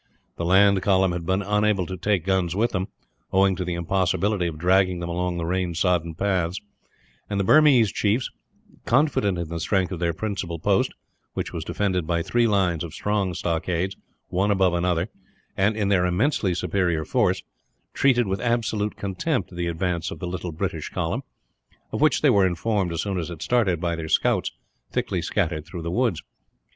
The land column had been unable to take guns with them, owing to the impossibility of dragging them along the rain sodden paths; and the Burmese chiefs, confident in the strength of their principal post which was defended by three lines of strong stockades, one above another and in their immensely superior force, treated with absolute contempt the advance of the little British column of which they were informed, as soon as it started, by their scouts thickly scattered through the woods.